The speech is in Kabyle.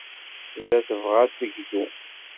Tella tebɣa ad tegzu.